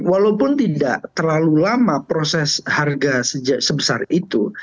walaupun tidak terlalu lama proses harga sebesar itu